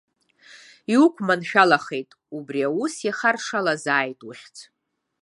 Иуқәманшәалахааит, убри аус иахаршалазааит ухьӡ.